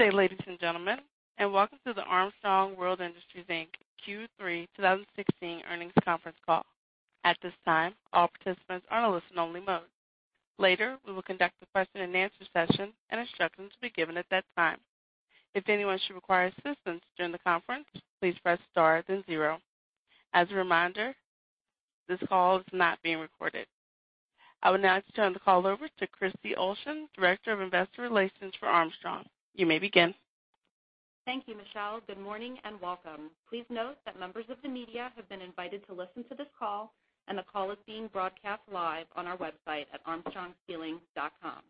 Good day, ladies and gentlemen, and welcome to the Armstrong World Industries, Inc. Q3 2016 earnings conference call. At this time, all participants are in a listen-only mode. Later, we will conduct a question-and-answer session, and instructions will be given at that time. If anyone should require assistance during the conference, please press star then zero. As a reminder, this call is not being recorded. I would now like to turn the call over to Christy Olson, Director of Investor Relations for Armstrong. You may begin. Thank you, Michelle. Good morning and welcome. Please note that members of the media have been invited to listen to this call. The call is being broadcast live on our website at armstrongceilings.com.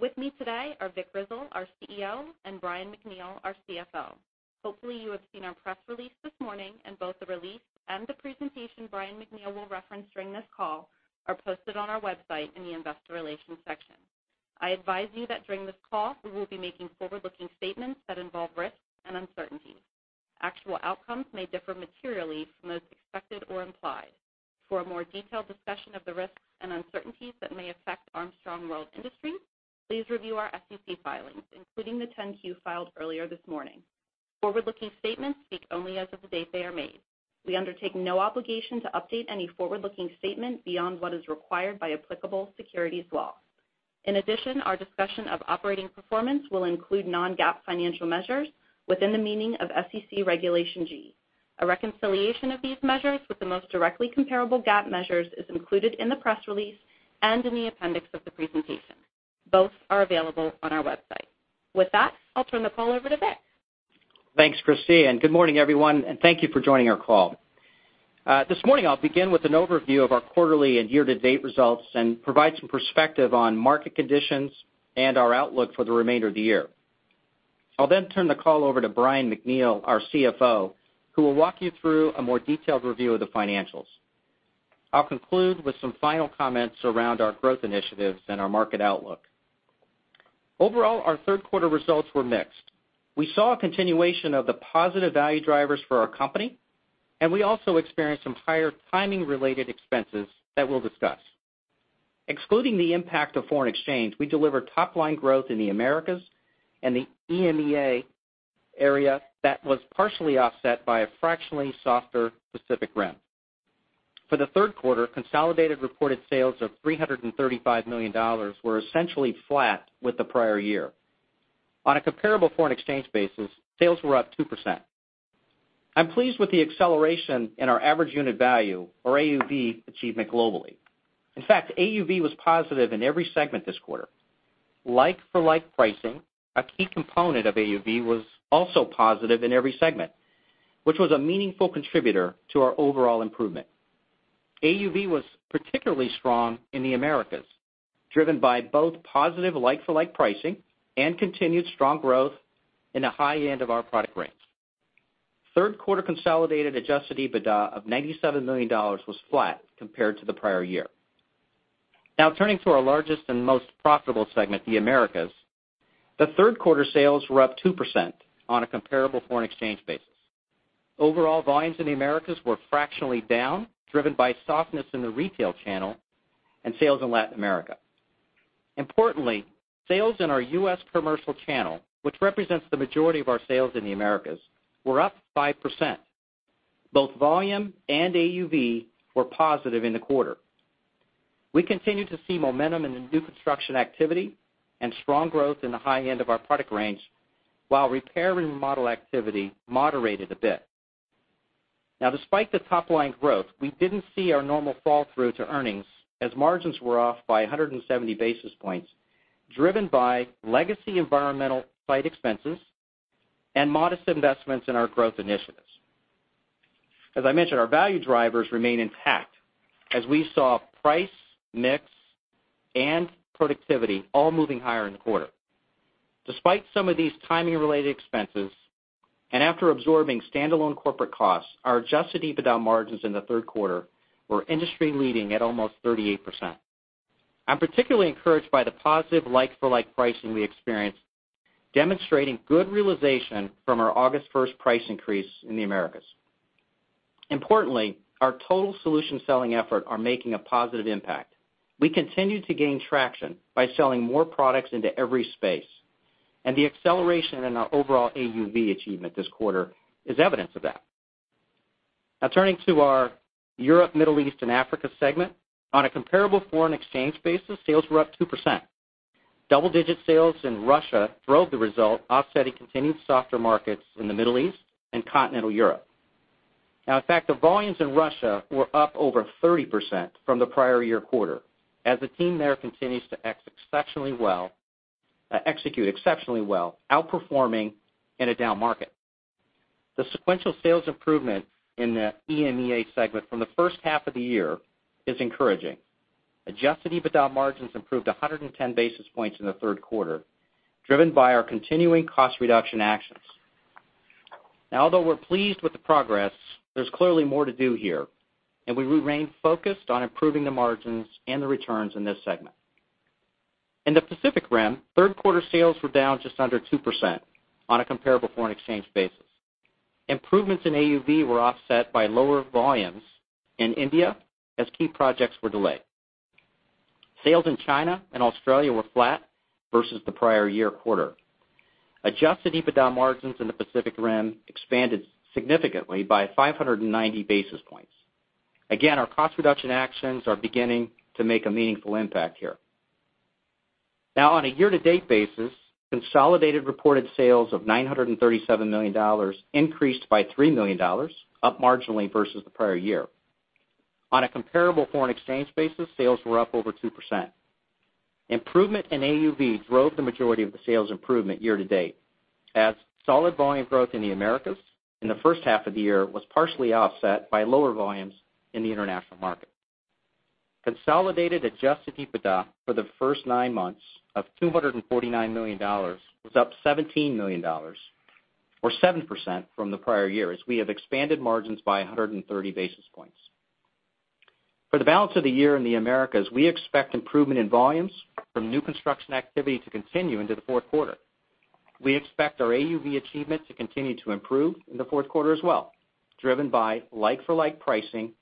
With me today are Vic Grizzle, our CEO, and Brian MacNeal, our CFO. Hopefully, you have seen our press release this morning. Both the release and the presentation Brian MacNealwill reference during this call are posted on our website in the investor relations section. I advise you that during this call, we will be making forward-looking statements that involve risks and uncertainties. Actual outcomes may differ materially from those expected or implied. For a more detailed discussion of the risks and uncertainties that may affect Armstrong World Industries, please review our SEC filings, including the 10-Q filed earlier this morning. Forward-looking statements speak only as of the date they are made. We undertake no obligation to update any forward-looking statement beyond what is required by applicable securities law. In addition, our discussion of operating performance will include non-GAAP financial measures within the meaning of SEC Regulation G. A reconciliation of these measures with the most directly comparable GAAP measures is included in the press release and in the appendix of the presentation. Both are available on our website. With that, I'll turn the call over to Vic. Thanks, Christy. Good morning, everyone. Thank you for joining our call. This morning I'll begin with an overview of our quarterly and year-to-date results and provide some perspective on market conditions and our outlook for the remainder of the year. I'll then turn the call over to Brian MacNeal, our CFO, who will walk you through a more detailed review of the financials. I'll conclude with some final comments around our growth initiatives and our market outlook. Overall, our third quarter results were mixed. We saw a continuation of the positive value drivers for our company. We also experienced some higher timing-related expenses that we'll discuss. Excluding the impact of foreign exchange, we delivered top-line growth in the Americas and the EMEA area that was partially offset by a fractionally softer Pacific Rim. For the third quarter, consolidated reported sales of $335 million were essentially flat with the prior year. On a comparable foreign exchange basis, sales were up 2%. I'm pleased with the acceleration in our average unit value, or AUV, achievement globally. In fact, AUV was positive in every segment this quarter. Like-for-like pricing, a key component of AUV, was also positive in every segment, which was a meaningful contributor to our overall improvement. AUV was particularly strong in the Americas, driven by both positive like-for-like pricing and continued strong growth in the high end of our product range. Third quarter consolidated adjusted EBITDA of $97 million was flat compared to the prior year. Turning to our largest and most profitable segment, the Americas, the third quarter sales were up 2% on a comparable foreign exchange basis. Overall volumes in the Americas were fractionally down, driven by softness in the retail channel and sales in Latin America. Importantly, sales in our U.S. commercial channel, which represents the majority of our sales in the Americas, were up 5%. Both volume and AUV were positive in the quarter. We continue to see momentum in the new construction activity and strong growth in the high end of our product range while repair and remodel activity moderated a bit. Despite the top-line growth, we didn't see our normal fall through to earnings as margins were off by 170 basis points, driven by legacy environmental site expenses and modest investments in our growth initiatives. As I mentioned, our value drivers remain intact as we saw price, mix, and productivity all moving higher in the quarter. Despite some of these timing-related expenses, and after absorbing stand-alone corporate costs, our adjusted EBITDA margins in the third quarter were industry leading at almost 38%. I'm particularly encouraged by the positive like-for-like pricing we experienced, demonstrating good realization from our August 1st price increase in the Americas. Importantly, our total solution selling effort are making a positive impact. We continue to gain traction by selling more products into every space, and the acceleration in our overall AUV achievement this quarter is evidence of that. Turning to our Europe, Middle East, and Africa segment. On a comparable foreign exchange basis, sales were up 2%. Double-digit sales in Russia drove the result, offsetting continued softer markets in the Middle East and continental Europe. In fact, the volumes in Russia were up over 30% from the prior year quarter as the team there continues to execute exceptionally well, outperforming in a down market. The sequential sales improvement in the EMEA segment from the first half of the year is encouraging. Adjusted EBITDA margins improved 110 basis points in the third quarter, driven by our continuing cost reduction actions. Although we're pleased with the progress, there's clearly more to do here, and we remain focused on improving the margins and the returns in this segment. In the Pacific Rim, third quarter sales were down just under 2% on a comparable foreign exchange basis. Improvements in AUV were offset by lower volumes in India as key projects were delayed. Sales in China and Australia were flat versus the prior year quarter. Adjusted EBITDA margins in the Pacific Rim expanded significantly by 590 basis points. Our cost reduction actions are beginning to make a meaningful impact here. On a year-to-date basis, consolidated reported sales of $937 million increased by $3 million, up marginally versus the prior year. On a comparable foreign exchange basis, sales were up over 2%. Improvement in AUV drove the majority of the sales improvement year-to-date, as solid volume growth in the Americas in the first half of the year was partially offset by lower volumes in the international market. Consolidated adjusted EBITDA for the first nine months of $249 million was up $17 million, or 7% from the prior year, as we have expanded margins by 130 basis points. For the balance of the year in the Americas, we expect improvement in volumes from new construction activity to continue into the fourth quarter. We expect our AUV achievement to continue to improve in the fourth quarter as well, driven by like-for-like pricing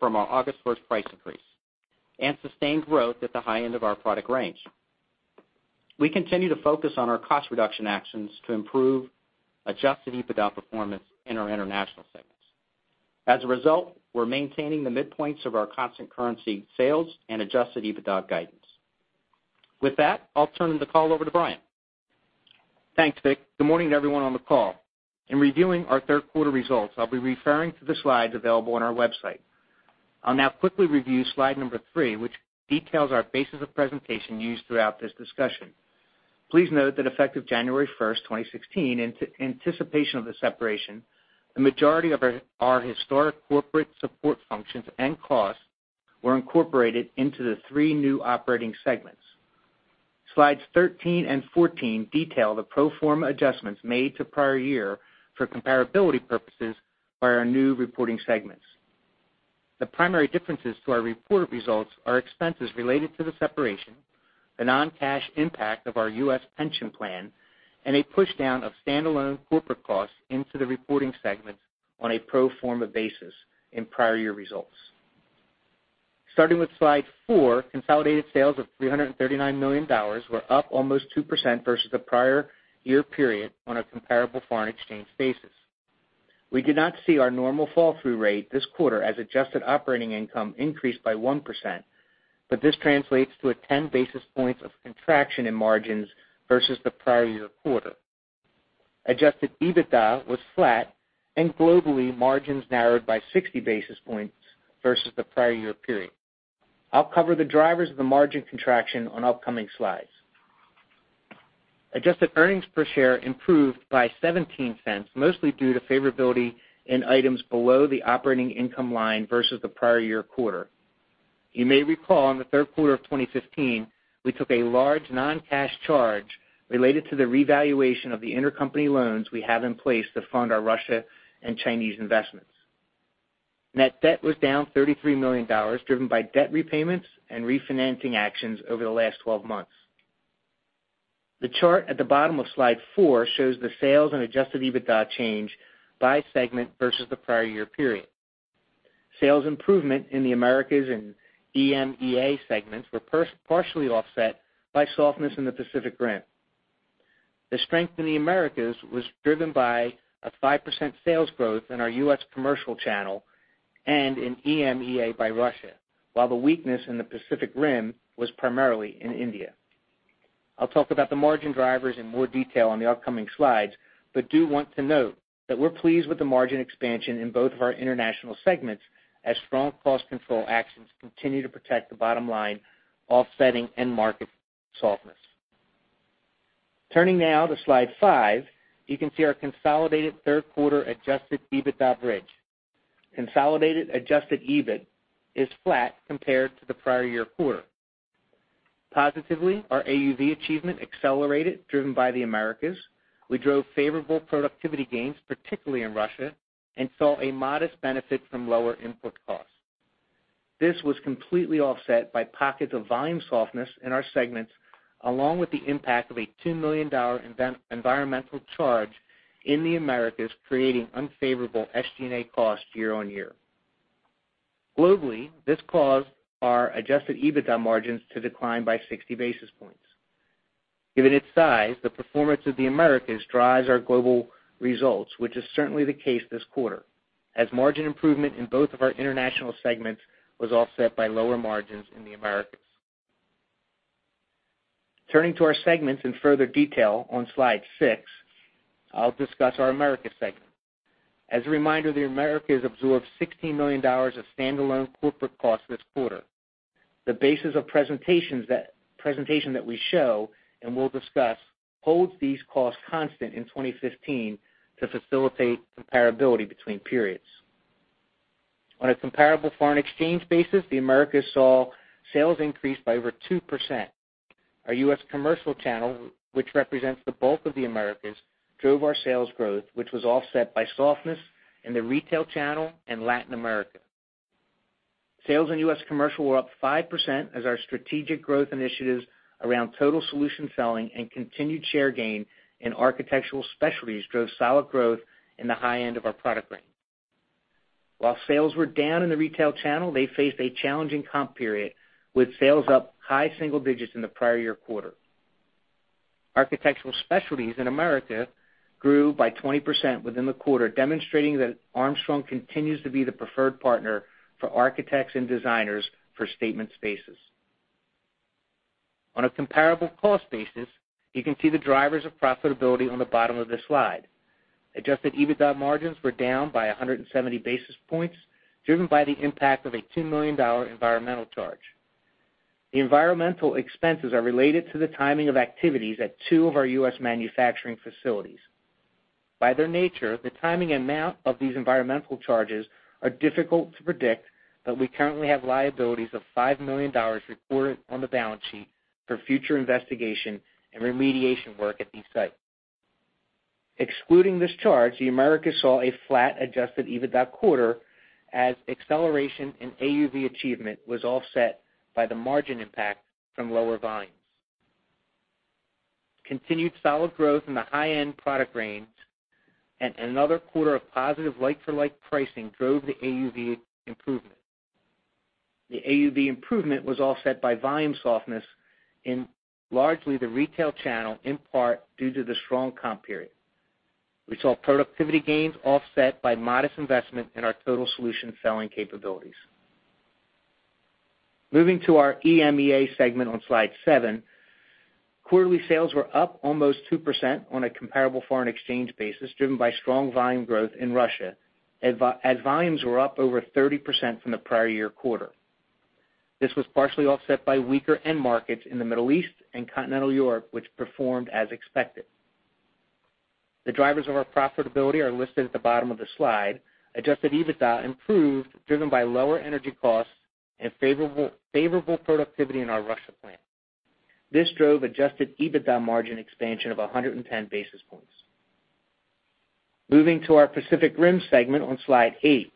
from our August 1st price increase, and sustained growth at the high end of our product range. We continue to focus on our cost reduction actions to improve adjusted EBITDA performance in our international segments. As a result, we're maintaining the midpoints of our constant currency sales and adjusted EBITDA guidance. With that, I'll turn the call over to Brian. Thanks, Vic. Good morning to everyone on the call. In reviewing our third quarter results, I'll be referring to the slides available on our website. I'll now quickly review slide number three, which details our basis of presentation used throughout this discussion. Please note that effective January 1st, 2016, in anticipation of the separation, the majority of our historic corporate support functions and costs were incorporated into the three new operating segments. Slides 13 and 14 detail the pro forma adjustments made to prior year for comparability purposes by our new reporting segments. The primary differences to our reported results are expenses related to the separation, the non-cash impact of our U.S. pension plan, and a pushdown of standalone corporate costs into the reporting segments on a pro forma basis in prior year results. Starting with slide four, consolidated sales of $339 million were up almost 2% versus the prior year period on a comparable foreign exchange basis. We did not see our normal fall-through rate this quarter, as adjusted operating income increased by 1%, but this translates to a 10 basis points of contraction in margins versus the prior year quarter. Adjusted EBITDA was flat and globally, margins narrowed by 60 basis points versus the prior year period. I'll cover the drivers of the margin contraction on upcoming slides. Adjusted earnings per share improved by $0.17, mostly due to favorability in items below the operating income line versus the prior year quarter. You may recall, in the third quarter of 2015, we took a large non-cash charge related to the revaluation of the intercompany loans we have in place to fund our Russia and Chinese investments. Net debt was down $33 million, driven by debt repayments and refinancing actions over the last 12 months. The chart at the bottom of slide four shows the sales and adjusted EBITDA change by segment versus the prior year period. Sales improvement in the Americas and EMEA segments were partially offset by softness in the Pacific Rim. The strength in the Americas was driven by a 5% sales growth in our U.S. commercial channel, and in EMEA by Russia, while the weakness in the Pacific Rim was primarily in India. I'll talk about the margin drivers in more detail on the upcoming slides, but do want to note that we're pleased with the margin expansion in both of our international segments, as strong cost control actions continue to protect the bottom line, offsetting end market softness. Turning now to slide five, you can see our consolidated third quarter adjusted EBITDA bridge. Consolidated adjusted EBIT is flat compared to the prior year quarter. Positively, our AUV achievement accelerated, driven by the Americas. We drove favorable productivity gains, particularly in Russia, and saw a modest benefit from lower input costs. This was completely offset by pockets of volume softness in our segments, along with the impact of a $2 million environmental charge in the Americas, creating unfavorable SG&A costs year-on-year. Globally, this caused our adjusted EBITDA margins to decline by 60 basis points. Given its size, the performance of the Americas drives our global results, which is certainly the case this quarter, as margin improvement in both of our international segments was offset by lower margins in the Americas. Turning to our segments in further detail on slide six, I'll discuss our Americas segment. As a reminder, the Americas absorbed $16 million of standalone corporate costs this quarter. The basis of presentation that we show and we'll discuss holds these costs constant in 2015 to facilitate comparability between periods. On a comparable foreign exchange basis, the Americas saw sales increase by over 2%. Our U.S. commercial channel, which represents the bulk of the Americas, drove our sales growth, which was offset by softness in the retail channel and Latin America. Sales in U.S. commercial were up 5% as our strategic growth initiatives around total solution selling and continued share gain in Architectural Specialties drove solid growth in the high end of our product range. While sales were down in the retail channel, they faced a challenging comp period, with sales up high single digits in the prior year quarter. Architectural Specialties in America grew by 20% within the quarter, demonstrating that Armstrong continues to be the preferred partner for architects and designers for statement spaces. On a comparable cost basis, you can see the drivers of profitability on the bottom of this slide. Adjusted EBITDA margins were down by 170 basis points, driven by the impact of a $2 million environmental charge. The environmental expenses are related to the timing of activities at two of our U.S. manufacturing facilities. By their nature, the timing and amount of these environmental charges are difficult to predict, but we currently have liabilities of $5 million reported on the balance sheet for future investigation and remediation work at these sites. Excluding this charge, the Americas saw a flat adjusted EBITDA quarter, as acceleration in AUV achievement was offset by the margin impact from lower volumes. Continued solid growth in the high-end product range and another quarter of positive like-for-like pricing drove the AUV improvement. The AUV improvement was offset by volume softness in largely the retail channel, in part due to the strong comp period. We saw productivity gains offset by modest investment in our total solution selling capabilities. Moving to our EMEA segment on Slide 7. Quarterly sales were up almost 2% on a comparable foreign exchange basis, driven by strong volume growth in Russia, as volumes were up over 30% from the prior year quarter. This was partially offset by weaker end markets in the Middle East and Continental Europe, which performed as expected. The drivers of our profitability are listed at the bottom of the slide. Adjusted EBITDA improved, driven by lower energy costs and favorable productivity in our Russia plant. This drove Adjusted EBITDA margin expansion of 110 basis points. Moving to our Pacific Rim segment on Slide 8.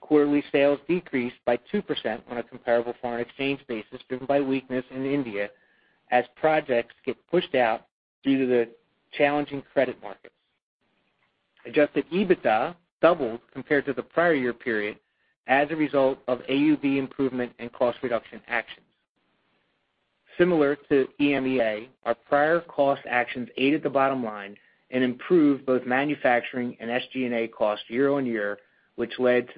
Quarterly sales decreased by 2% on a comparable foreign exchange basis, driven by weakness in India as projects get pushed out due to the challenging credit markets. Adjusted EBITDA doubled compared to the prior year period as a result of AUV improvement and cost reduction actions. Similar to EMEA, our prior cost actions aided the bottom line and improved both manufacturing and SG&A costs year on year, which led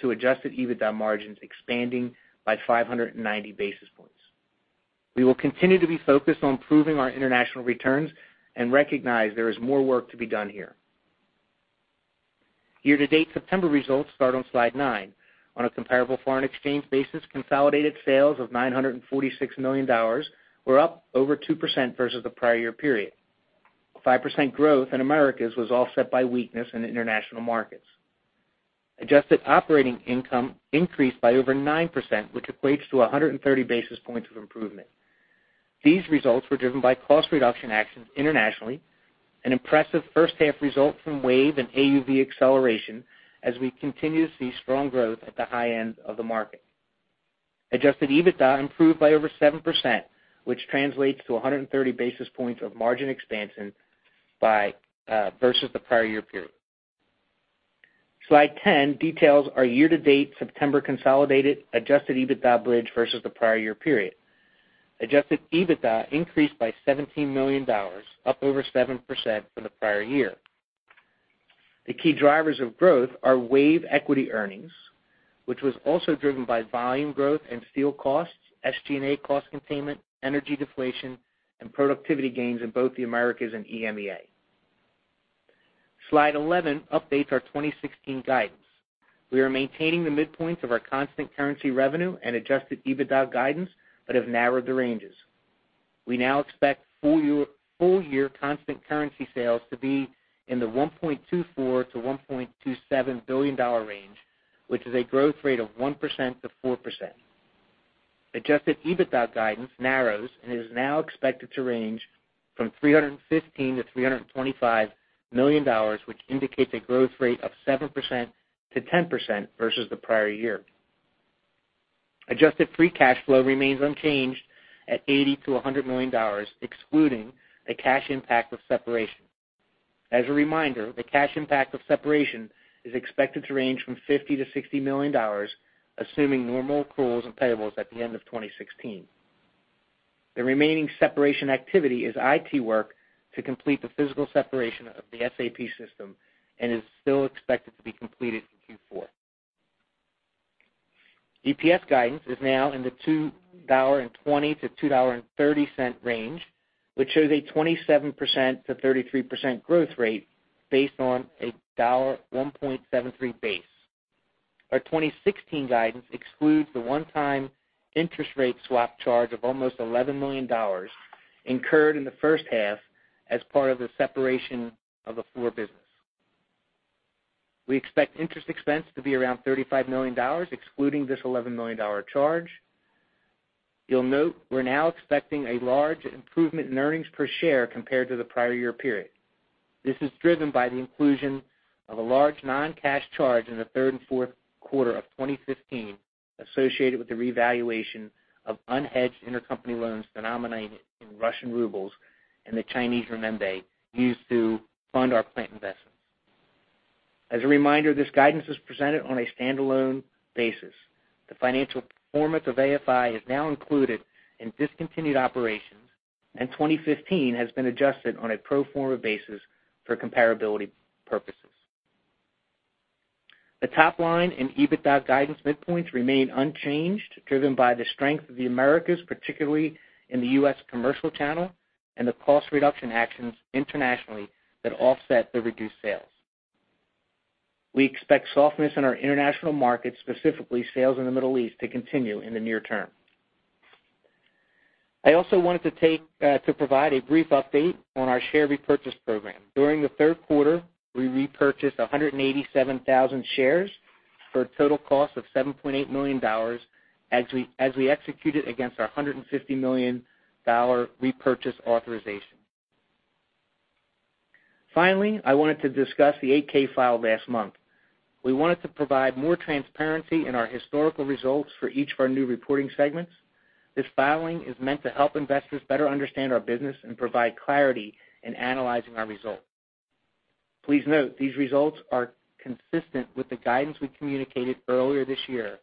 to Adjusted EBITDA margins expanding by 590 basis points. We will continue to be focused on improving our international returns and recognize there is more work to be done here. Year-to-date September results start on Slide 9. On a comparable foreign exchange basis, consolidated sales of $946 million were up over 2% versus the prior year period. 5% growth in Americas was offset by weakness in international markets. Adjusted operating income increased by over 9%, which equates to 130 basis points of improvement. These results were driven by cost reduction actions internationally, an impressive first-half result from WAVE and AUV acceleration as we continue to see strong growth at the high end of the market. Adjusted EBITDA improved by over 7%, which translates to 130 basis points of margin expansion versus the prior year period. Slide 10 details our year-to-date September consolidated Adjusted EBITDA bridge versus the prior year period. Adjusted EBITDA increased by $17 million, up over 7% from the prior year. The key drivers of growth are WAVE equity earnings, which was also driven by volume growth and steel costs, SG&A cost containment, energy deflation, and productivity gains in both the Americas and EMEA. Slide 11 updates our 2016 guidance. We are maintaining the midpoints of our constant currency revenue and Adjusted EBITDA guidance but have narrowed the ranges. We now expect full-year constant currency sales to be in the $1.24 billion-$1.27 billion range, which is a growth rate of 1%-4%. Adjusted EBITDA guidance narrows and is now expected to range from $315 million-$325 million, which indicates a growth rate of 7%-10% versus the prior year. Adjusted free cash flow remains unchanged at $80 million-$100 million, excluding the cash impact of separation. As a reminder, the cash impact of separation is expected to range from $50 million-$60 million, assuming normal accruals and payables at the end of 2016. The remaining separation activity is IT work to complete the physical separation of the SAP system and is still expected to be completed in Q4. EPS guidance is now in the $2.20-$2.30 range, which shows a 27%-33% growth rate based on a $1.73 base. Our 2016 guidance excludes the one-time interest rate swap charge of almost $11 million incurred in the first half as part of the separation of the floor business. We expect interest expense to be around $35 million, excluding this $11 million charge. You'll note we're now expecting a large improvement in earnings per share compared to the prior year period. This is driven by the inclusion of a large non-cash charge in the third and fourth quarter of 2015 associated with the revaluation of unhedged intercompany loans denominated in Russian rubles and the Chinese renminbi used to fund our plant investments. As a reminder, this guidance is presented on a standalone basis. The financial performance of AFI is now included in discontinued operations, 2015 has been adjusted on a pro forma basis for comparability purposes. The top line and EBITDA guidance midpoints remain unchanged, driven by the strength of the Americas, particularly in the U.S. commercial channel, and the cost reduction actions internationally that offset the reduced sales. We expect softness in our international markets, specifically sales in the Middle East, to continue in the near term. I also wanted to provide a brief update on our share repurchase program. During the third quarter, we repurchased 187,000 shares for a total cost of $7.8 million as we executed against our $150 million repurchase authorization. I wanted to discuss the 8-K filed last month. We wanted to provide more transparency in our historical results for each of our new reporting segments. This filing is meant to help investors better understand our business and provide clarity in analyzing our results. Please note, these results are consistent with the guidance we communicated earlier this year,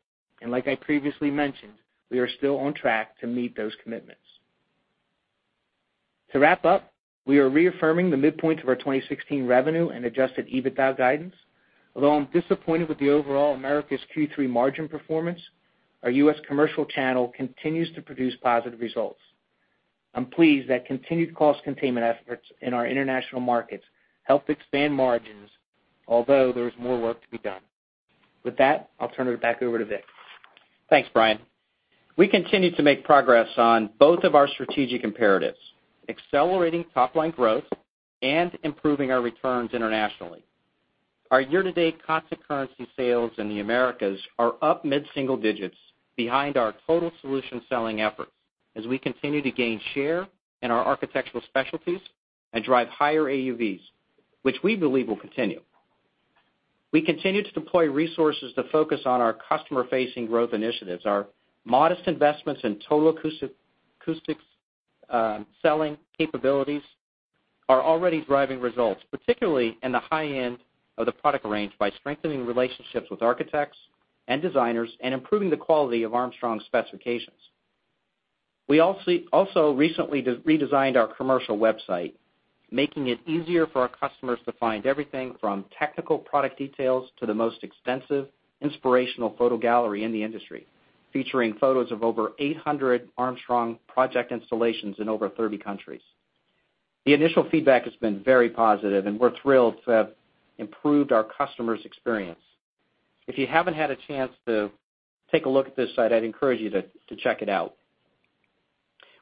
like I previously mentioned, we are still on track to meet those commitments. To wrap up, we are reaffirming the midpoints of our 2016 revenue and adjusted EBITDA guidance. Although I'm disappointed with the overall Americas Q3 margin performance, our U.S. commercial channel continues to produce positive results. I'm pleased that continued cost containment efforts in our international markets helped expand margins, although there is more work to be done. With that, I'll turn it back over to Vic. Thanks, Brian. We continue to make progress on both of our strategic imperatives, accelerating top-line growth and improving our returns internationally. Our year-to-date constant currency sales in the Americas are up mid-single digits behind our total solution selling efforts as we continue to gain share in our Architectural Specialties and drive higher AUVs, which we believe will continue. We continue to deploy resources to focus on our customer-facing growth initiatives. Our modest investments in Total Acoustics selling capabilities are already driving results, particularly in the high end of the product range by strengthening relationships with architects and designers and improving the quality of Armstrong specifications. We also recently redesigned our commercial website, making it easier for our customers to find everything from technical product details to the most extensive inspirational photo gallery in the industry, featuring photos of over 800 Armstrong project installations in over 30 countries. The initial feedback has been very positive, and we're thrilled to have improved our customers' experience. If you haven't had a chance to take a look at this site, I'd encourage you to check it out.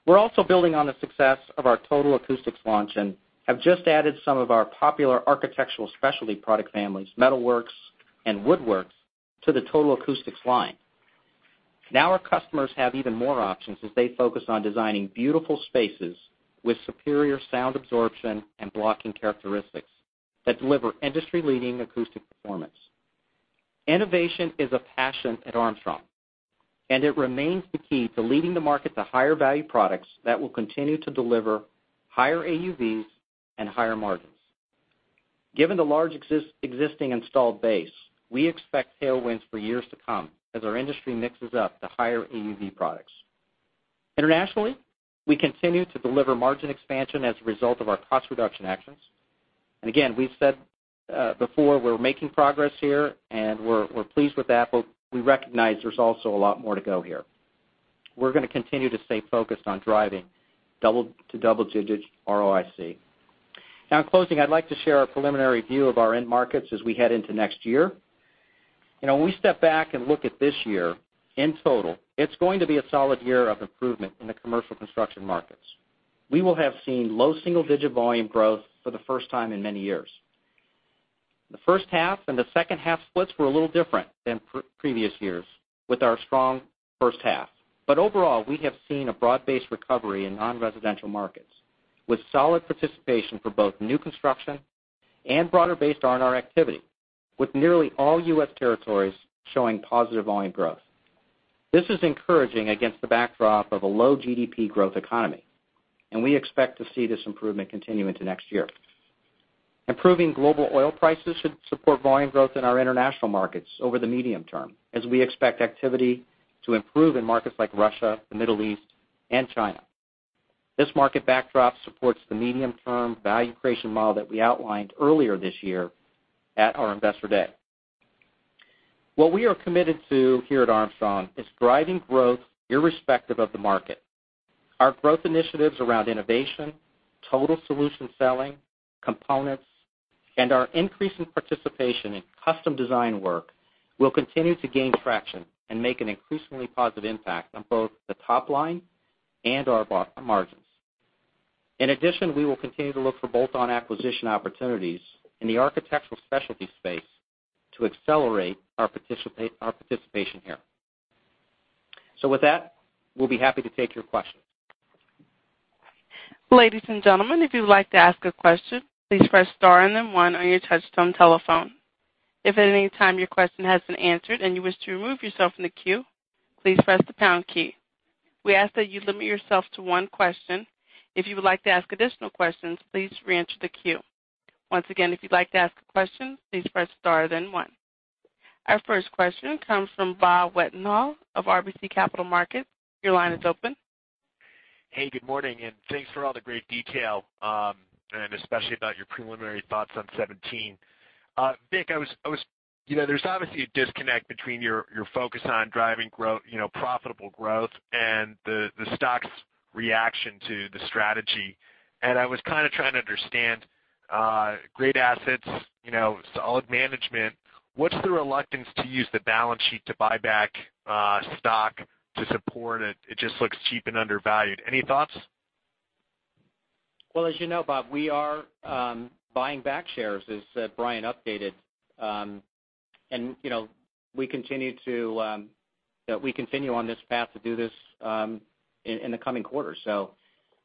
We're also building on the success of our Total Acoustics launch and have just added some of our popular architectural specialty product families, MetalWorks and WoodWorks, to the Total Acoustics line. Now our customers have even more options as they focus on designing beautiful spaces with superior sound absorption and blocking characteristics that deliver industry-leading acoustic performance. Innovation is a passion at Armstrong, and it remains the key to leading the market to higher-value products that will continue to deliver higher AUVs and higher margins. Given the large existing installed base, we expect tailwinds for years to come as our industry mixes up to higher AUV products. Internationally, we continue to deliver margin expansion as a result of our cost reduction actions. Again, we've said before we're making progress here and we're pleased with that, we recognize there's also a lot more to go here. We're going to continue to stay focused on driving double-to double-digit ROIC. In closing, I'd like to share a preliminary view of our end markets as we head into next year. When we step back and look at this year, in total, it's going to be a solid year of improvement in the commercial construction markets. We will have seen low single-digit volume growth for the first time in many years. The first half and the second half splits were a little different than previous years with our strong first half. Overall, we have seen a broad-based recovery in non-residential markets with solid participation for both new construction and broader-based R&R activity, with nearly all U.S. territories showing positive volume growth. This is encouraging against the backdrop of a low GDP growth economy, we expect to see this improvement continue into next year. Improving global oil prices should support volume growth in our international markets over the medium term, as we expect activity to improve in markets like Russia, the Middle East, and China. This market backdrop supports the medium-term value creation model that we outlined earlier this year at our Investor Day. What we are committed to here at Armstrong is driving growth irrespective of the market. Our growth initiatives around innovation, total solution selling, components, and our increase in participation in custom design work will continue to gain traction and make an increasingly positive impact on both the top line and our bottom margins. In addition, we will continue to look for bolt-on acquisition opportunities in the architectural specialty space to accelerate our participation here. With that, we'll be happy to take your questions. Ladies and gentlemen, if you'd like to ask a question, please press star and then one on your touch-tone telephone. If at any time your question has been answered and you wish to remove yourself from the queue, please press the pound key. We ask that you limit yourself to one question. If you would like to ask additional questions, please reenter the queue. Once again, if you'd like to ask a question, please press star, then one. Our first question comes from Bob Wetenhall of RBC Capital Markets. Your line is open. Hey, good morning, and thanks for all the great detail, and especially about your preliminary thoughts on 2017. Vic, there's obviously a disconnect between your focus on driving profitable growth and the stock's reaction to the strategy. I was kind of trying to understand great assets, solid management. What's the reluctance to use the balance sheet to buy back stock to support it? It just looks cheap and undervalued. Any thoughts? Well, as you know, Bob, we are buying back shares as Brian updated. We continue on this path to do this in the coming quarters.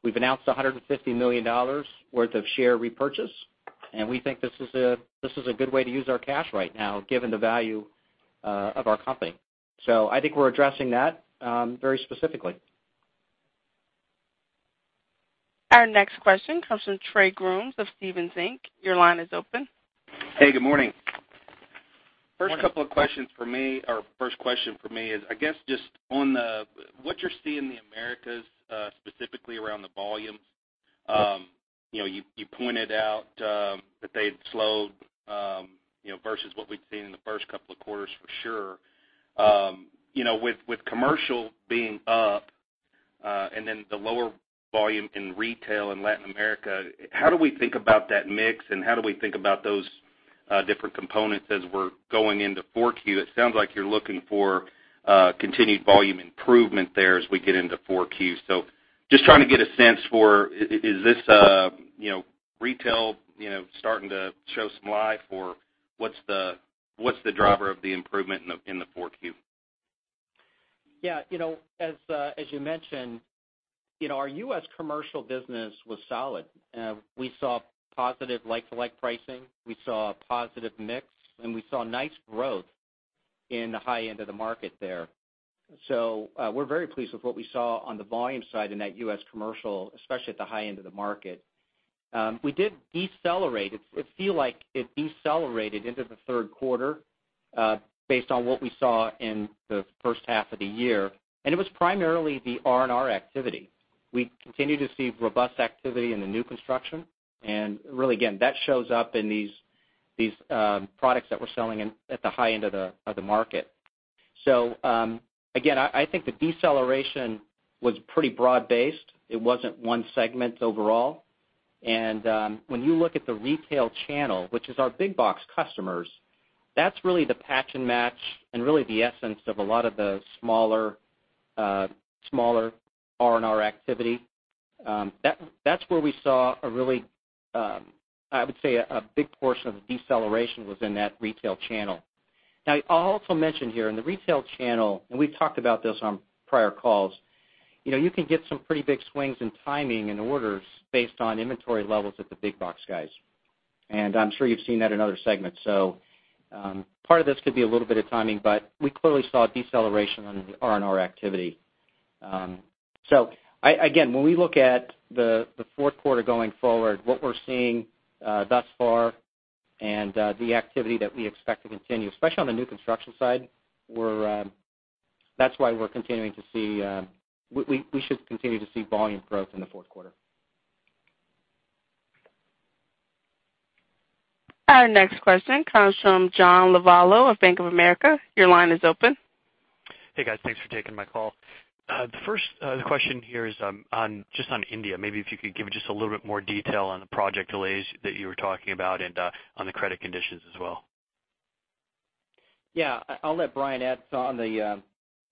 We've announced $150 million worth of share repurchase, and we think this is a good way to use our cash right now, given the value of our company. I think we're addressing that very specifically. Our next question comes from Trey Grooms of Stephens Inc. Your line is open. Hey, good morning. Morning. First question for me is, I guess, just on what you're seeing in the Americas, specifically around the volume. You pointed out that they had slowed versus what we'd seen in the first couple of quarters for sure. With commercial being up, and then the lower volume in retail in Latin America, how do we think about that mix and how do we think about those different components as we're going into 4Q? It sounds like you're looking for continued volume improvement there as we get into 4Q. Just trying to get a sense for, is this retail starting to show some life, or what's the driver of the improvement in the 4Q? Yeah. As you mentioned, our U.S. commercial business was solid. We saw positive like-to-like pricing, we saw a positive mix, and we saw nice growth in the high end of the market there. We're very pleased with what we saw on the volume side in that U.S. commercial, especially at the high end of the market. We did decelerate. It feel like it decelerated into the third quarter based on what we saw in the first half of the year, and it was primarily the R&R activity. We continue to see robust activity in the new construction, and really, again, that shows up in these products that we're selling at the high end of the market. Again, I think the deceleration was pretty broad-based. It wasn't one segment overall. When you look at the retail channel, which is our big box customers, that's really the patch and match and really the essence of a lot of the smaller R&R activity. That's where we saw a really, I would say, a big portion of the deceleration was in that retail channel. Now, I'll also mention here in the retail channel, and we've talked about this on prior calls, you can get some pretty big swings in timing in orders based on inventory levels at the big box guys. I'm sure you've seen that in other segments. Part of this could be a little bit of timing, but we clearly saw a deceleration on the R&R activity. Again, when we look at the fourth quarter going forward, what we're seeing thus far and the activity that we expect to continue, especially on the new construction side, that's why we should continue to see volume growth in the fourth quarter. Our next question comes from John Lovallo of Bank of America. Your line is open. Hey, guys. Thanks for taking my call. The first question here is just on India. Maybe if you could give just a little bit more detail on the project delays that you were talking about and on the credit conditions as well. Yeah. I'll let Brian add on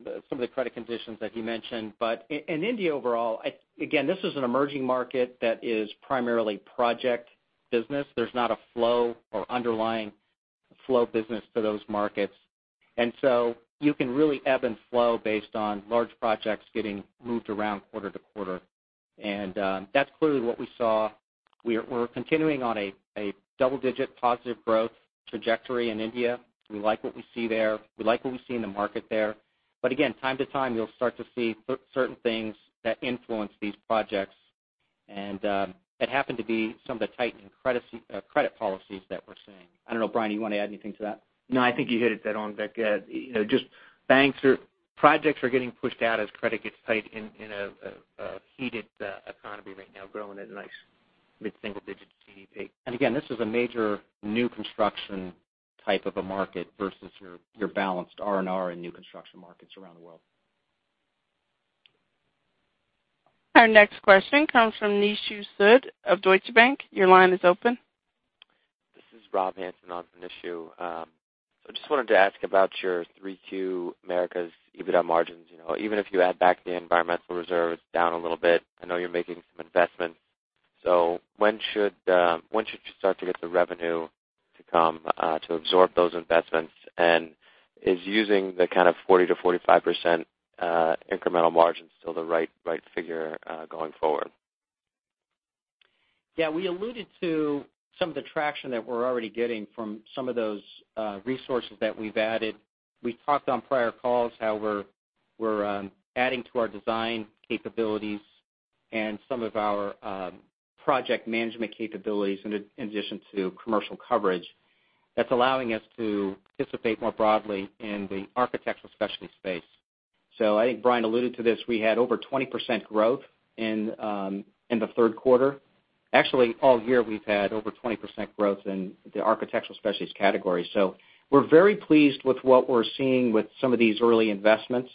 some of the credit conditions that he mentioned. In India overall, again, this is an emerging market that is primarily project business. There's not a flow or underlying flow business to those markets. You can really ebb and flow based on large projects getting moved around quarter to quarter. That's clearly what we saw. We're continuing on a double-digit positive growth trajectory in India. We like what we see there. We like what we see in the market there. Again, time to time, you'll start to see certain things that influence these projects, and it happened to be some of the tightening credit policies that we're seeing. I don't know, Brian, you want to add anything to that? No, I think you hit it dead on, Vic. Just projects are getting pushed out as credit gets tight in a heated economy right now, growing at a nice mid-single digit GDP. Again, this is a major new construction type of a market versus your balanced R&R and new construction markets around the world. Our next question comes from Nishu Sood of Deutsche Bank. Your line is open. This is Rob Hanson on for Nishu. I just wanted to ask about your 3Q Americas EBITDA margins. Even if you add back the environmental reserve, it's down a little bit. I know you're making some investments. When should you start to get the revenue to come to absorb those investments and is using the kind of 40%-45% incremental margin still the right figure going forward? Yeah. We alluded to some of the traction that we're already getting from some of those resources that we've added. We talked on prior calls how we're adding to our design capabilities and some of our project management capabilities in addition to commercial coverage. That's allowing us to participate more broadly in the Architectural Specialties space. I think Brian alluded to this, we had over 20% growth in the third quarter. Actually, all year, we've had over 20% growth in the Architectural Specialties category. We're very pleased with what we're seeing with some of these early investments.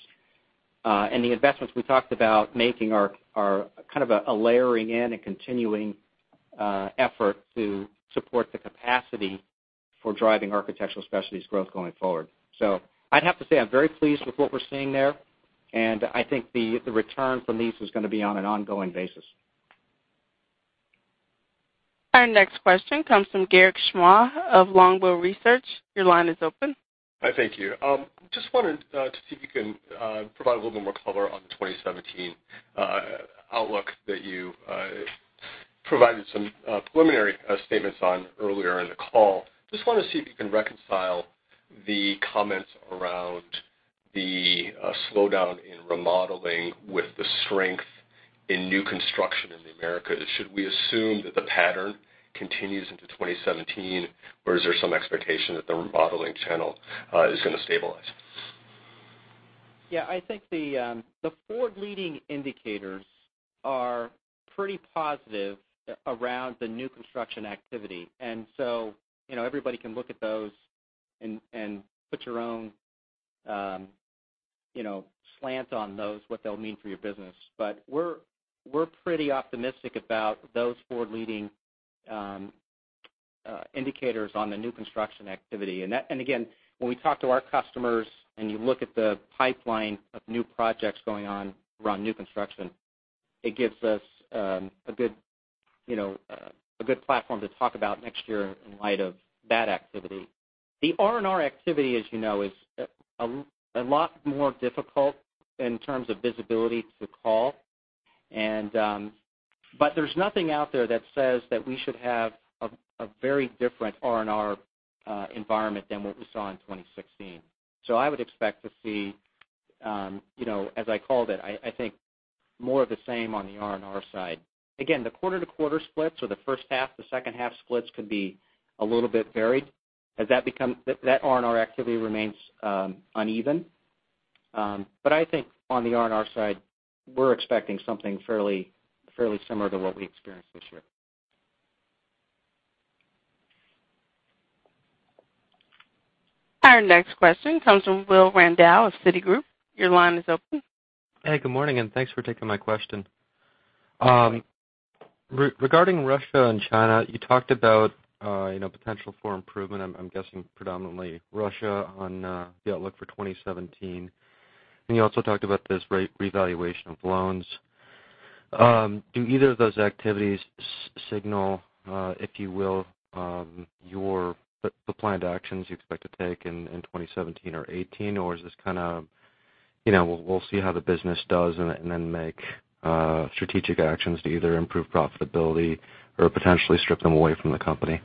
The investments we talked about making are kind of a layering in a continuing effort to support the capacity for driving Architectural Specialties growth going forward. I'd have to say I'm very pleased with what we're seeing there, and I think the return from these is going to be on an ongoing basis. Our next question comes from Garik Shmois of Longbow Research. Your line is open. Hi, thank you. Just wanted to see if you can provide a little bit more color on the 2017 outlook that you provided some preliminary statements on earlier in the call. Just want to see if you can reconcile the comments around the slowdown in remodeling with the strength in new construction in the Americas. Should we assume that the pattern continues into 2017, or is there some expectation that the remodeling channel is going to stabilize? Yeah, I think the forward-leading indicators are pretty positive around the new construction activity. Everybody can look at those and put your own slant on those, what they'll mean for your business. We're pretty optimistic about those forward-leading indicators on the new construction activity. Again, when we talk to our customers and you look at the pipeline of new projects going on around new construction, it gives us a good platform to talk about next year in light of that activity. The R&R activity, as you know, is a lot more difficult in terms of visibility to call. There's nothing out there that says that we should have a very different R&R environment than what we saw in 2016. I would expect to see, as I called it, I think more of the same on the R&R side. Again, the quarter-to-quarter splits or the first half to second half splits could be a little bit varied as that R&R activity remains uneven. I think on the R&R side, we're expecting something fairly similar to what we experienced this year. Our next question comes from Will Randow of Citigroup. Your line is open. Hey, good morning, and thanks for taking my question. Regarding Russia and China, you talked about potential for improvement, I'm guessing predominantly Russia on the outlook for 2017. You also talked about this revaluation of loans. Do either of those activities signal, if you will, your planned actions you expect to take in 2017 or 2018? Or is this kind of, we'll see how the business does and then make strategic actions to either improve profitability or potentially strip them away from the company?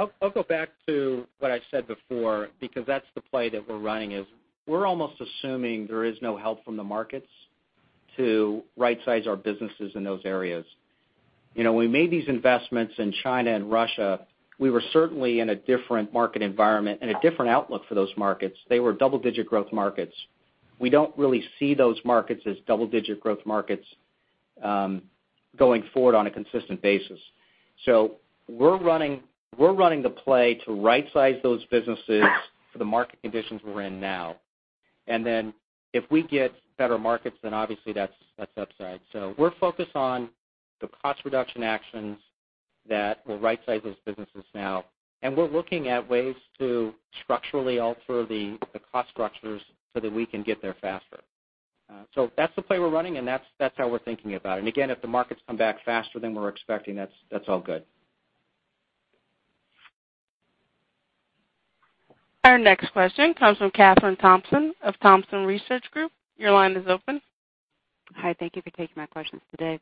I'll go back to what I said before, because that's the play that we're running is we're almost assuming there is no help from the markets to rightsize our businesses in those areas. When we made these investments in China and Russia, we were certainly in a different market environment and a different outlook for those markets. They were double-digit growth markets. We don't really see those markets as double-digit growth markets, going forward on a consistent basis. We're running the play to rightsize those businesses for the market conditions we're in now. Then if we get better markets, then obviously that's upside. We're focused on the cost reduction actions that will rightsize those businesses now, and we're looking at ways to structurally alter the cost structures so that we can get there faster. That's the play we're running, and that's how we're thinking about it. Again, if the markets come back faster than we're expecting, that's all good. Our next question comes from Kathryn Thompson of Thompson Research Group. Your line is open. Hi, thank you for taking my questions today.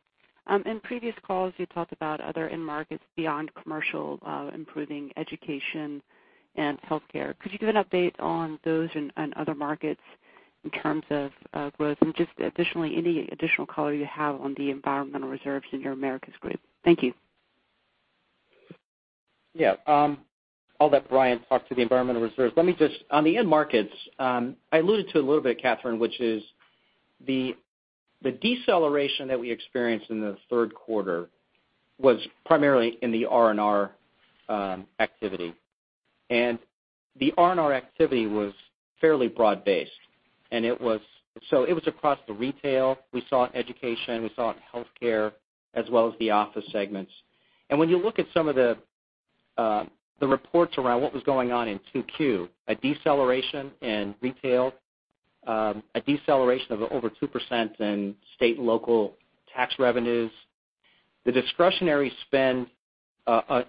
In previous calls, you talked about other end markets beyond commercial, improving education and healthcare. Could you give an update on those and other markets in terms of growth? Additionally, any additional color you have on the environmental reserves in your Americas group? Thank you. Yeah. I'll let Brian talk to the environmental reserves. On the end markets, I alluded to a little bit, Kathryn, which is the deceleration that we experienced in the third quarter was primarily in the R&R activity. The R&R activity was fairly broad-based. It was across the retail. We saw it in education, we saw it in healthcare, as well as the office segments. When you look at some of the reports around what was going on in 2Q, a deceleration in retail, a deceleration of over 2% in state and local tax revenues. The discretionary spend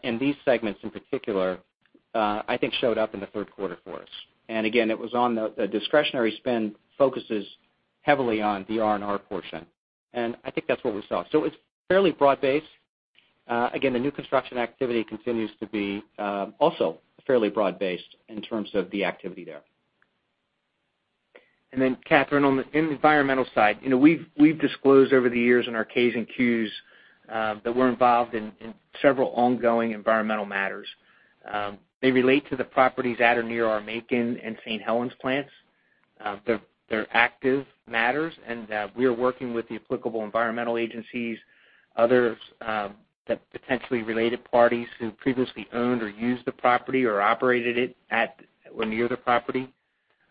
in these segments in particular, I think showed up in the third quarter for us. Again, the discretionary spend focuses heavily on the R&R portion, and I think that's what we saw. It's fairly broad-based. Again, the new construction activity continues to be also fairly broad-based in terms of the activity there. Then Kathryn, on the environmental side, we've disclosed over the years in our K's and Q's, that we're involved in several ongoing environmental matters. They relate to the properties at or near our Macon and St. Helens plants. They're active matters and we are working with the applicable environmental agencies, others, the potentially related parties who previously owned or used the property or operated it at or near the property.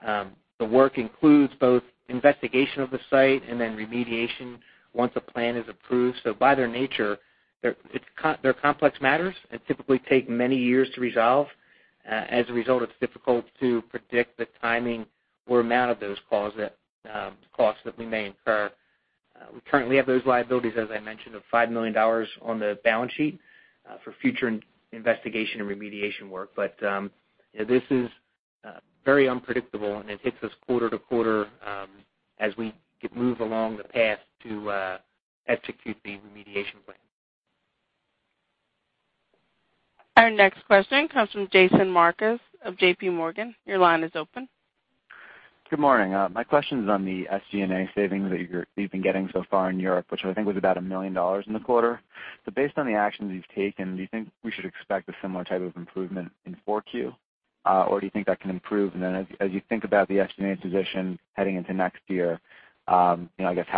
The work includes both investigation of the site and then remediation once a plan is approved. By their nature, they're complex matters that typically take many years to resolve. As a result, it's difficult to predict the timing or amount of those costs that we may incur. We currently have those liabilities, as I mentioned, of $5 million on the balance sheet for future investigation and remediation work. This is very unpredictable, and it hits us quarter to quarter as we move along the path to execute the remediation plan. Our next question comes from Jason Marcus of JP Morgan. Your line is open. Good morning. My question is on the SG&A savings that you've been getting so far in Europe, which I think was about $1 million in the quarter. Based on the actions you've taken, do you think we should expect a similar type of improvement in 4Q? Do you think that can improve? As you think about the SG&A position heading into next year, how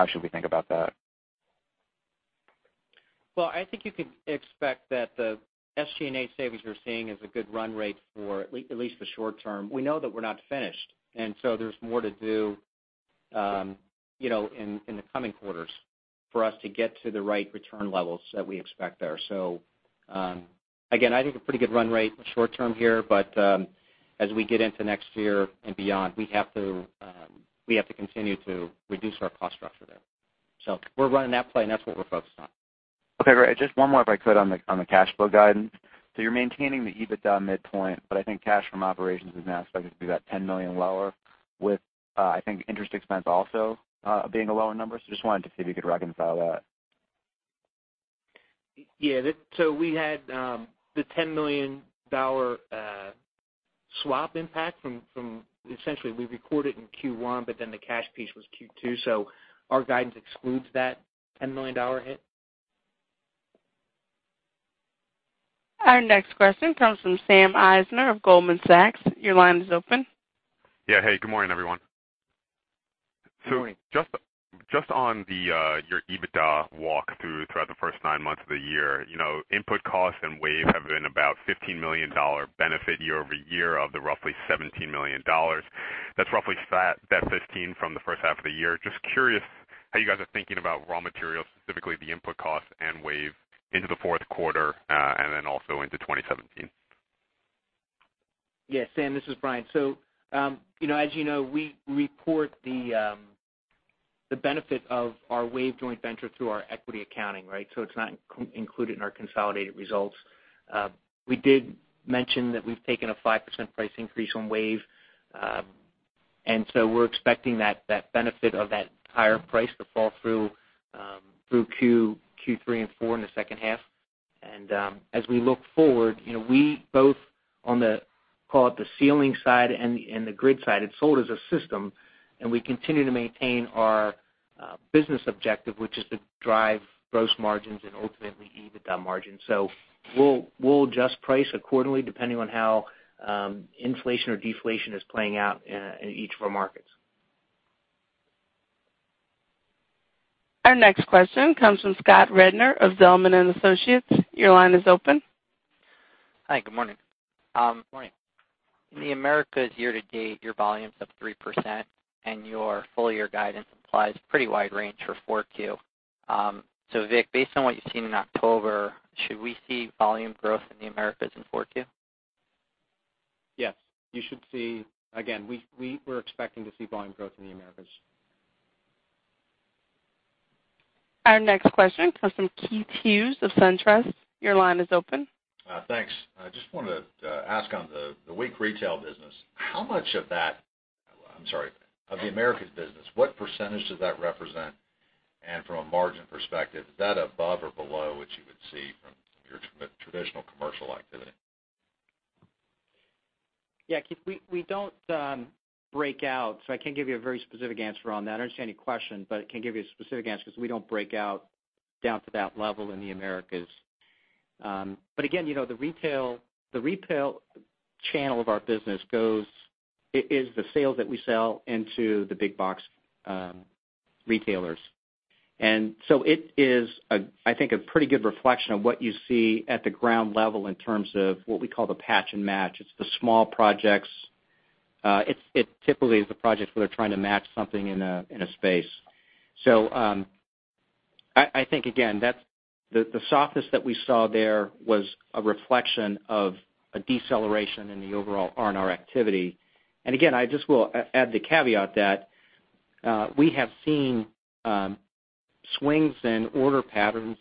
should we think about that? Well, I think you could expect that the SG&A savings you're seeing is a good run rate for at least the short term. We know that we're not finished, there's more to do in the coming quarters for us to get to the right return levels that we expect there. Again, I think a pretty good run rate short term here, but as we get into next year and beyond, we have to continue to reduce our cost structure there. We're running that play and that's what we're focused on. Okay, great. Just one more if I could on the cash flow guidance. You're maintaining the EBITDA midpoint, but I think cash from operations is now expected to be about $10 million lower with, I think, interest expense also being a lower number. Just wanted to see if you could reconcile that. Yeah. We had the $10 million swap impact from, essentially we record it in Q1, but then the cash piece was Q2, so our guidance excludes that $10 million hit. Our next question comes from Sam Eisner of Goldman Sachs. Your line is open. Yeah. Hey, good morning, everyone. Good morning. Just on your EBITDA walk through throughout the first nine months of the year, input costs and WAVE have been about $15 million benefit year-over-year of the roughly $17 million. That's roughly flat, net $15 million from the first half of the year. Just curious how you guys are thinking about raw materials, specifically the input costs and WAVE into the fourth quarter, and then also into 2017. Yeah, Sam, this is Brian. As you know, we report the benefit of our WAVE joint venture through our equity accounting, right? It's not included in our consolidated results. We did mention that we've taken a 5% price increase on WAVE. We're expecting that benefit of that higher price to fall through Q3 and four in the second half. As we look forward, we both on the, call it the ceiling side and the grid side, it's sold as a system, and we continue to maintain our business objective, which is to drive gross margins and ultimately EBITDA margin. We'll adjust price accordingly depending on how inflation or deflation is playing out in each of our markets. Our next question comes from Scott Rednor of Zelman & Associates. Your line is open. Hi, good morning. Good morning. In the Americas year-to-date, your volume's up 3% and your full year guidance implies pretty wide range for 4Q. Vic, based on what you've seen in October, should we see volume growth in the Americas in 4Q? Yes. You should see, again, we're expecting to see volume growth in the Americas. Our next question comes from Keith Hughes of SunTrust. Your line is open. Thanks. I just wanted to ask on the weak retail business, of the Americas business, what % does that represent? From a margin perspective, is that above or below what you would see from your traditional commercial activity? Yeah, Keith, we don't break out, I can't give you a very specific answer on that. I understand your question, I can't give you a specific answer because we don't break out down to that level in the Americas. Again, the retail channel of our business is the sales that we sell into the big box retailers. It is, I think, a pretty good reflection of what you see at the ground level in terms of what we call the patch and match. It's the small projects. It typically is the projects where they're trying to match something in a space. I think, again, the softness that we saw there was a reflection of a deceleration in the overall R&R activity. Again, I just will add the caveat that we have seen swings in order patterns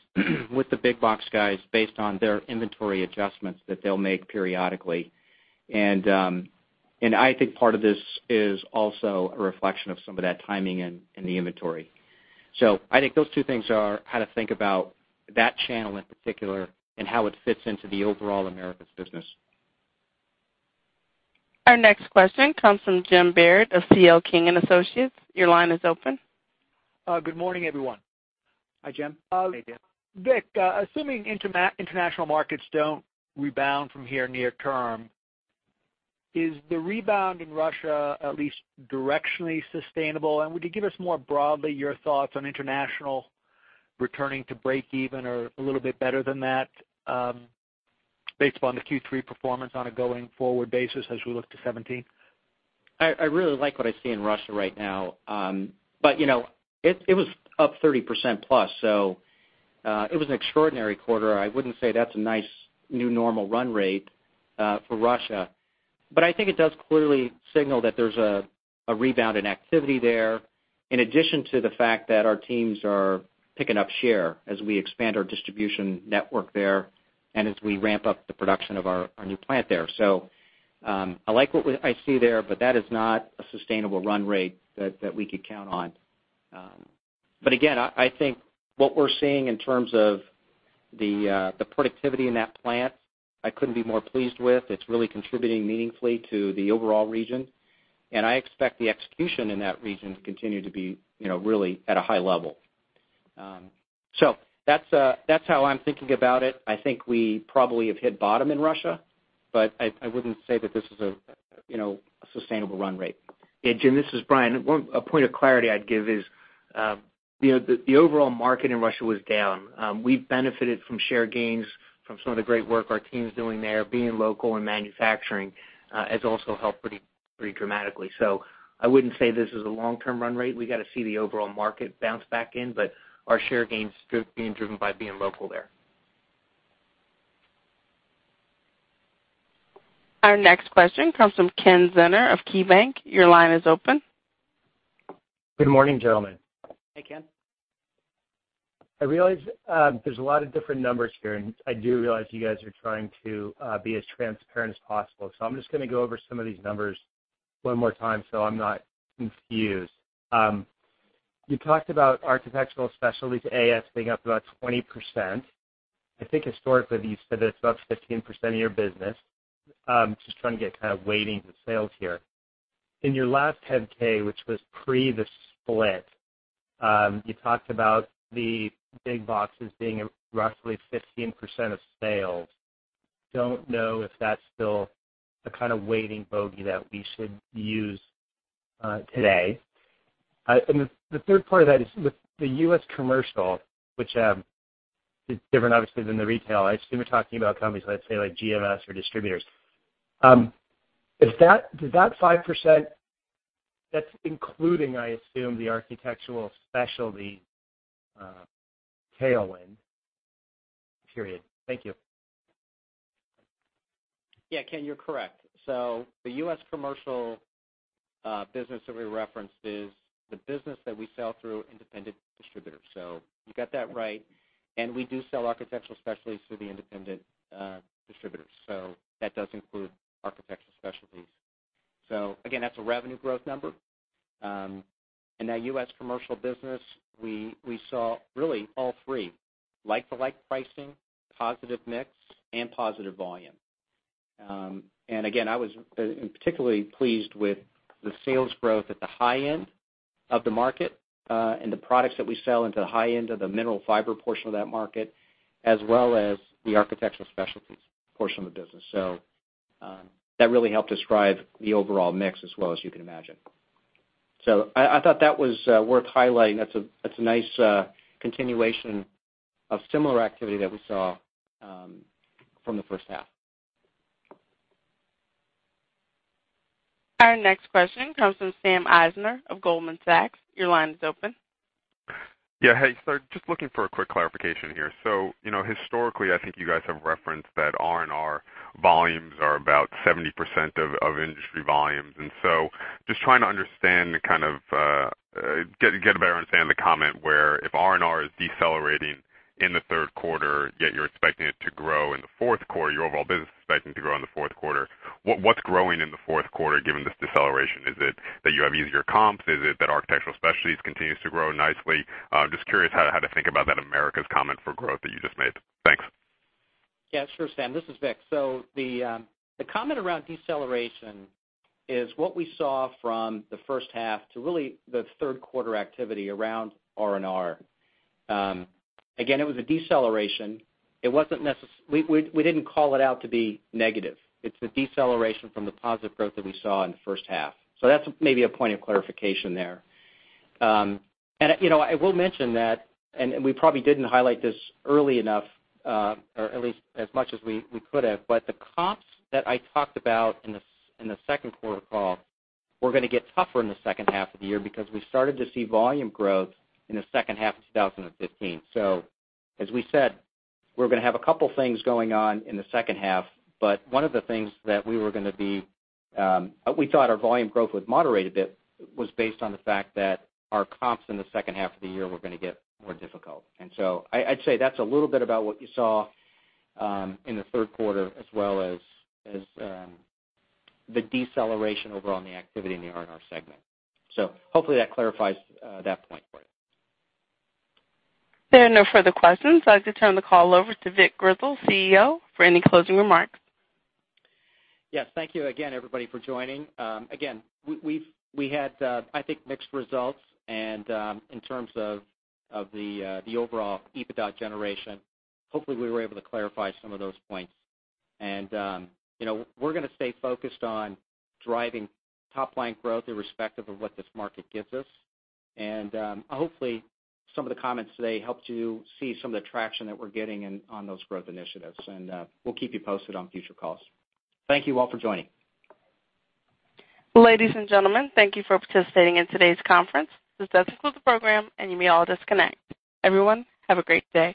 with the big box guys based on their inventory adjustments that they'll make periodically. I think part of this is also a reflection of some of that timing in the inventory. I think those two things are how to think about that channel in particular and how it fits into the overall Americas business. Our next question comes from Jim Baird of C.L. King & Associates. Your line is open. Good morning, everyone. Hi, Jim. Hey, Jim. Vic, assuming international markets don't rebound from here near term, is the rebound in Russia at least directionally sustainable? Would you give us more broadly your thoughts on international returning to break even or a little bit better than that, based upon the Q3 performance on a going forward basis as we look to 2017? I really like what I see in Russia right now. It was up 30% plus, so it was an extraordinary quarter. I wouldn't say that's a nice new normal run rate for Russia. I think it does clearly signal that there's a rebound in activity there, in addition to the fact that our teams are picking up share as we expand our distribution network there and as we ramp up the production of our new plant there. I like what I see there, but that is not a sustainable run rate that we could count on. Again, I think what we're seeing in terms of the productivity in that plant, I couldn't be more pleased with. It's really contributing meaningfully to the overall region. I expect the execution in that region to continue to be really at a high level. That's how I'm thinking about it. I think we probably have hit bottom in Russia, but I wouldn't say that this is a sustainable run rate. Jim, this is Brian. A point of clarity I'd give is the overall market in Russia was down. We benefited from share gains from some of the great work our team's doing there. Being local and manufacturing has also helped pretty dramatically. I wouldn't say this is a long-term run rate. We got to see the overall market bounce back in. Our share gains being driven by being local there. Our next question comes from Ken Zener of KeyBanc. Your line is open. Good morning, gentlemen. Hey, Ken. I realize there's a lot of different numbers here, and I do realize you guys are trying to be as transparent as possible. I'm just going to go over some of these numbers one more time so I'm not confused. You talked about Architectural Specialties, AS, being up about 20%. I think historically you said it's about 15% of your business. Just trying to get kind of weightings of sales here. In your last 10-K, which was pre the split, you talked about the big boxes being roughly 15% of sales. Don't know if that's still the kind of weighting bogey that we should use today. The third part of that is with the U.S. commercial, which is different obviously than the retail. I assume you're talking about companies, let's say like GMS or distributors. Does that 5%, that's including, I assume, the Architectural Specialty tailwind period? Thank you. Ken, you're correct. The U.S. commercial business that we referenced is the business that we sell through independent distributors. You got that right. We do sell Architectural Specialties through the independent distributors. That does include Architectural Specialties. Again, that's a revenue growth number. In that U.S. commercial business, we saw really all three, like-for-like pricing, positive mix, and positive volume. Again, I was particularly pleased with the sales growth at the high end of the market, and the products that we sell into the high end of the mineral fiber portion of that market, as well as the Architectural Specialties portion of the business. That really helped us drive the overall mix as well, as you can imagine. I thought that was worth highlighting. That's a nice continuation of similar activity that we saw from the first half. Our next question comes from Sam Eisner of Goldman Sachs. Your line is open. Hey, sorry. Just looking for a quick clarification here. Historically, I think you guys have referenced that R&R volumes are about 70% of industry volumes. Just trying to get a better understanding of the comment where if R&R is decelerating in the third quarter, yet you're expecting it to grow in the fourth quarter, your overall business is expecting to grow in the fourth quarter. What's growing in the fourth quarter, given this deceleration? Is it that you have easier comps? Is it that Architectural Specialties continues to grow nicely? Just curious how to think about that Americas comment for growth that you just made. Thanks. Sure, Sam. This is Vic. The comment around deceleration is what we saw from the first half to really the third quarter activity around R&R. Again, it was a deceleration. We didn't call it out to be negative. It's a deceleration from the positive growth that we saw in the first half. That's maybe a point of clarification there. I will mention that, and we probably didn't highlight this early enough, or at least as much as we could have, but the comps that I talked about in the second quarter call were going to get tougher in the second half of the year because we started to see volume growth in the second half of 2015. As we said, we're going to have a couple things going on in the second half, but one of the things that we thought our volume growth was moderated a bit was based on the fact that our comps in the second half of the year were going to get more difficult. I'd say that's a little bit about what you saw in the third quarter as well as the deceleration overall on the activity in the R&R segment. Hopefully that clarifies that point for you. There are no further questions. I'd like to turn the call over to Vic Grizzle, CEO, for any closing remarks. Yes. Thank you again, everybody, for joining. Again, we had I think mixed results in terms of the overall EBITDA generation. Hopefully we were able to clarify some of those points. We're going to stay focused on driving top-line growth irrespective of what this market gives us. Hopefully some of the comments today helped you see some of the traction that we're getting on those growth initiatives. Thank you all for joining. Ladies and gentlemen, thank you for participating in today's conference. This does conclude the program, and you may all disconnect. Everyone, have a great day.